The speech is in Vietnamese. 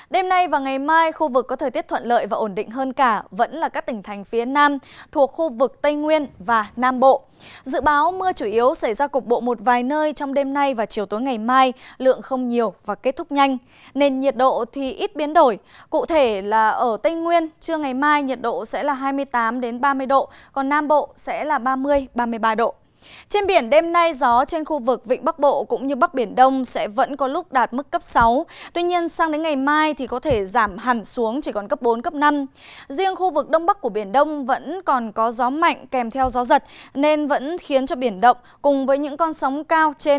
đây là dự báo thời tiết chi tiết tại các tỉnh thành phố trên cả nước